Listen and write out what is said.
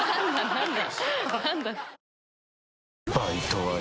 何だ？